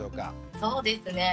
そうですね